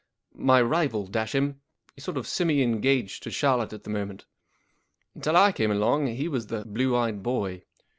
My rival, dash him. He's sort of semi engaged to Charlotte at the moment. Till I came along he was the blue eyed boy.